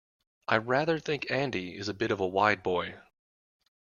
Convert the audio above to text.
I rather think Andy is a bit of a wide boy.